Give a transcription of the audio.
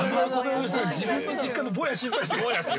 ◆自分の実家のぼやを心配して。